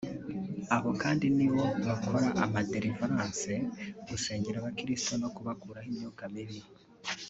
Abo kandi ni bo bakora ama Delivrance (gusengera abakristo no kubakuraho imyuka mibi)